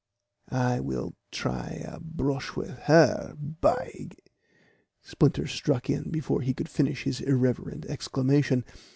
I will try a brush with her, by " Splinter struck in before he could finish his irreverent exclamation.